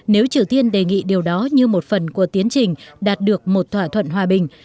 nếu triều tiên đề nghị điều đó như một phần của tiến trình đạt được một thỏa thuận hòa bình